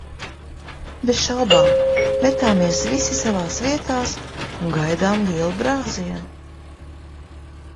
Bez šaubām, metāmies visi savās vietās un gaidām lielu brāzienu.